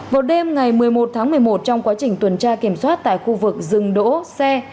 vào đêm ngày một mươi một tháng một mươi một trong quá trình tuần tra kiểm soát tại khu vực rừng đỗ xe